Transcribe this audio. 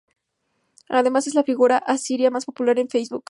Además, es la figura asiria más popular en Facebook.